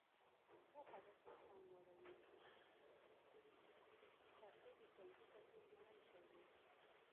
چوکۍ د ښوونځي تر ټولو مهم شی دی.